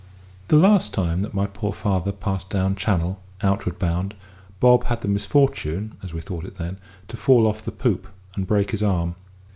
The last time that my poor father passed down Channel, outward bound, Bob had the misfortune (as we thought it then), to fall off the poop and break his arm.